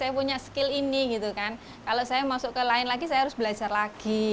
jadi mereka bisa berpikir ya ini saya punya skill ini kalau saya masuk ke lain lagi saya harus belajar lagi